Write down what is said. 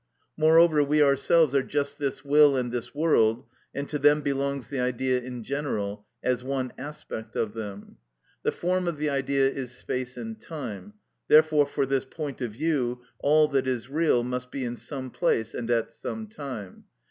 Moreover, we ourselves are just this will and this world, and to them belongs the idea in general, as one aspect of them. The form of the idea is space and time, therefore for this point of view all that is real must be in some place and at some time.